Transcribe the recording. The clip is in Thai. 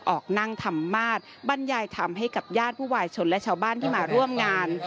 ออกนั่งธรรมมาสบรรยายธรรมให้กับญาติผู้วายชนและชาวบ้านที่มาร่วมงาน